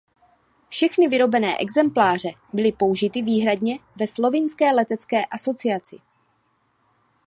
Všechny vyrobené exempláře byly použity výhradně ve slovinské letecké asociaci.